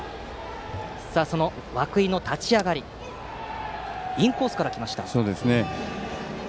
その涌井の立ち上がりはインコースから入りました。